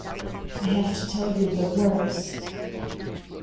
' I have to tell you the worst.'